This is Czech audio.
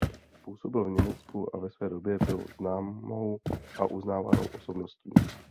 Působil v Německu a ve své době byl známou a uznávanou osobností.